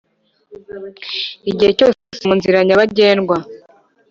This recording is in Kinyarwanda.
Igihe cyose munzira nyabagendwa